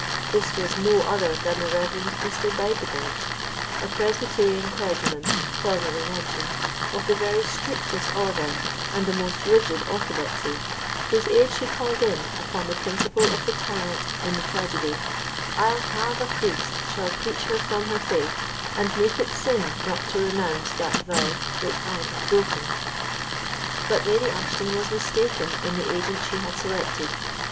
This was no other than the Reverend Mr. Bide the Bent, a presbyterian clergyman, formerly mentioned, of the very strictest order and the most rigid orthodoxy, whose aid she called in, upon the principle of the tyrant in the tragedy: I'll have a priest shall preach her from her faith, And make it sin not to renounce that vow Which I'd have broken. But Lady Ashton was mistaken in the agent she had selected.